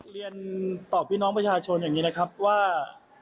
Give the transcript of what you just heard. เรียนตอบพี่น้องประชาชนอย่างนี้นะครับว่า